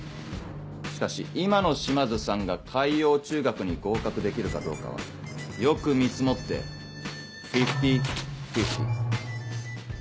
しかし今の島津さんが海王中学に合格できるかどうかは良く見積もってフィフティフィフティ。